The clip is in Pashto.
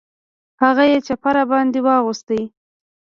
هغه یې چپه را باندې واغوست.